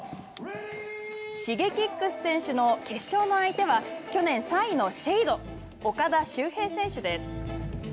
Ｓｈｉｇｅｋｉｘ選手の決勝の相手は去年３位のＳＨＥＤＥ岡田修平選手です。